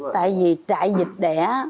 tại vì trại vịt đẻ